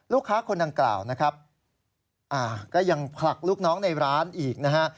คนดังกล่าวนะครับก็ยังผลักลูกน้องในร้านอีกนะฮะ